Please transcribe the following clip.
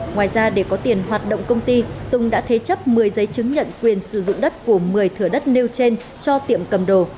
ngoài ra để có tiền hoạt động công ty tùng đã thế chấp một mươi giấy chứng nhận quyền sử dụng đất của một mươi thửa đất nêu trên cho tiệm cầm đồ